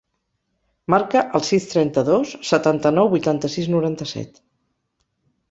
Marca el sis, trenta-dos, setanta-nou, vuitanta-sis, noranta-set.